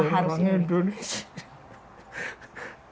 kenapa harus indonesia